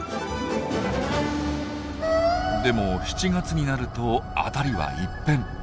でも７月になると辺りは一変。